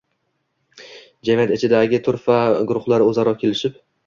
Jamiyat ichidagi turfa guruhlar o‘zaro kelishib